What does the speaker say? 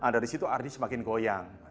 dari situ ardi semakin goyang